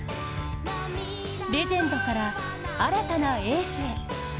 レジェンドから新たなエースへ。